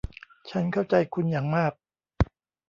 ฉันเข้าใจคุณอย่างมาก